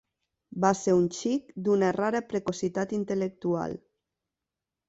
Va ser un xic d'una rara precocitat intel·lectual.